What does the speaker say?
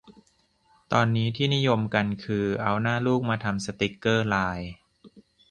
ตอนนี้ที่นิยมกันคือเอาหน้าลูกมาทำสติกเกอร์ไลน์